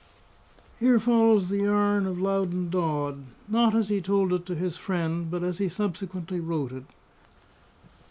Here follows the yarn of Loudon Dodd, not as he told it to his friend, but as he subsequently wrote it.